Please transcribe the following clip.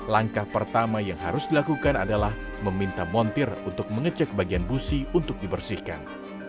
langkah pertama yang harus dilakukan adalah meminta montir untuk mengecek bagian busi untuk dibersihkan